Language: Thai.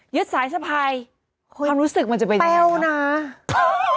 ยึดสายสะพายความรู้สึกมันจะเป็นยังไง